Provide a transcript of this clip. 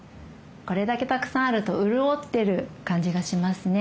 これだけたくさんあると潤ってる感じがしますね。